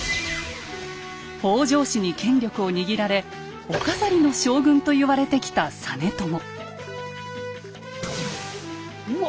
北条氏に権力を握られ「お飾りの将軍」と言われてきた実朝。